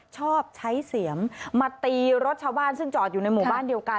ชอบใช้เสียมมาตีรถชาวบ้านซึ่งจอดอยู่ในหมู่บ้านเดียวกัน